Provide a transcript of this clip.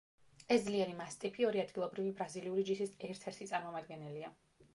ეს ძლიერი მასტიფი ორი ადგილობრივი ბრაზილიური ჯიშის ერთ-ერთი წარმომადგენელია.